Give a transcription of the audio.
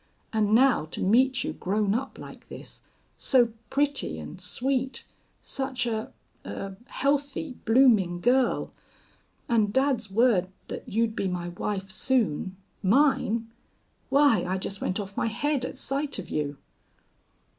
"And now to meet you grown up like this so pretty and sweet such a a healthy, blooming girl.... And dad's word that you'd be my wife soon mine why, I just went off my head at sight of you."